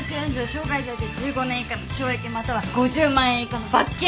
傷害罪で１５年以下の懲役または５０万円以下の罰金。